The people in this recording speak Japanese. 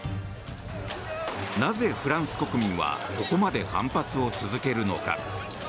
なぜ、フランス国民はここまで反発を続けるのか？